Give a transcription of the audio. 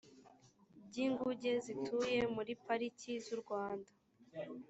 byi inguge zituye muri pariki z u rwanda